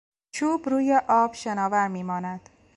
چوب روی آب شناور میماند.